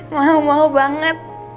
mau mau banget